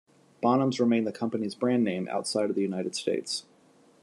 Bonhams remained the company's brand name outside of the United States.